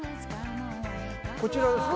こちらですか？